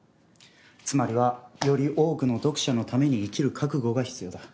つまりはより多くの読者のために生きる覚悟が必要だ。